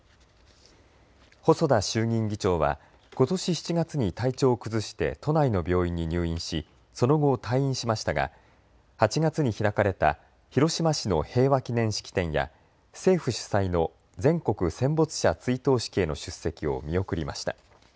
細田衆議院議長はことし７月に体調を崩して都内の病院に入院しその後、退院しましたが８月に開かれた広島市の平和記念式典や政府主催の全国戦没者追悼式への出席を見送りました。